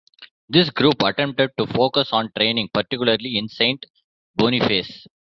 This group attempted to focus on training, particularly in Saint Boniface.